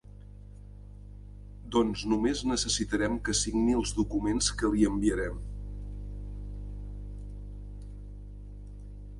Doncs només necessitarem que signi els documents que li enviarem.